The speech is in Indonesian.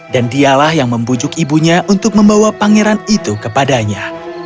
dan dialah yang membujuk ibunya untuk membawa pangeran itu kepadanya